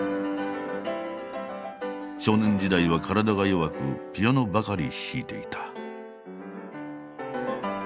少年時代は体が弱くピアノばかり弾いていた。